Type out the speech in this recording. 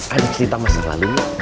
ada cerita masa lalu